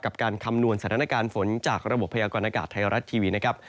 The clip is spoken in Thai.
การคำนวณสถานการณ์ฝนจากระบบพยากรณากาศไทยรัฐทีวีนะครับ